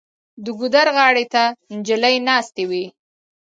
د ګودر غاړې ته جینکۍ ناستې وې